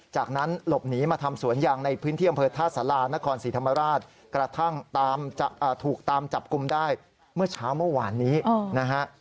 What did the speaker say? จากนั้นหลบหนีมาทำสวนยางในพื้นที่อำเภอท่าสารานครศรีธรรมราชกระทั่งถูกตามจับกลุ่มได้เมื่อเช้าเมื่อวานนี้นะฮะ